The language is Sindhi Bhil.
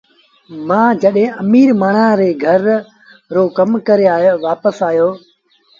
مآ جڏهيݩ اميٚر مآڻهآݩ ري گھرآݩ رو ڪم ڪري وآپس آئيٚ